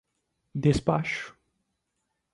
despacho